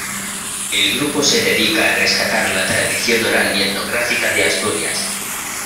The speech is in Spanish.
El grupo se dedica a rescatar la tradición oral y etnográfica de Asturias.